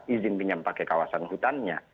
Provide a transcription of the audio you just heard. izin pinjam pakai kawasan hutannya